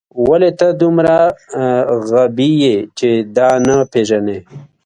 ولې ته دومره غبي یې چې دا نه پېژنې